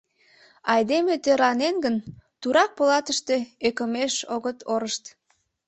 Айдеме тӧрланен гын, турак полатыште ӧкымеш огыт орышт.